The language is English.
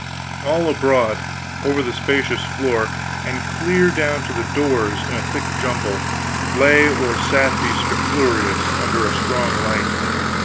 All abroad over the spacious floor, and clear down to the doors, in a thick jumble, lay or sat the scrofulous, under a strong light.